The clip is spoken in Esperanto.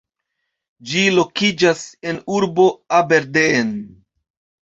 Ĝi lokiĝas en urbo Aberdeen.